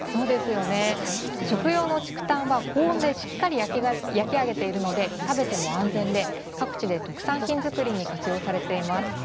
食用の竹炭は高温でしっかり焼き上げているので食べても安全で各地で特産品作りに活用されています。